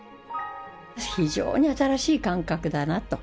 非常に新しい感覚だなと。